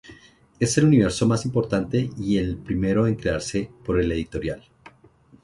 Es el universo más importante y el primero en crearse por la editorial.